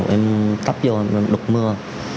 em tắp vô đục mưa